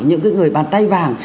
những cái người bàn tay vàng